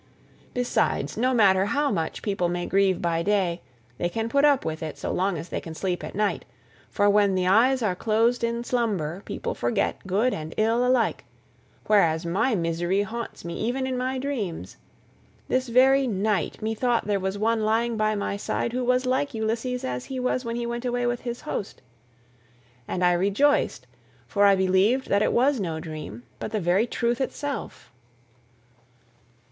Besides, no matter how much people may grieve by day, they can put up with it so long as they can sleep at night, for when the eyes are closed in slumber people forget good and ill alike; whereas my misery haunts me even in my dreams. This very night methought there was one lying by my side who was like Ulysses as he was when he went away with his host, and I rejoiced, for I believed that it was no dream, but the very truth itself."